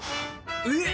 えっ！